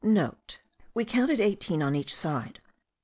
(* We counted eighteen on each side.